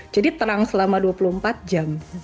jadi terang selama dua puluh empat jam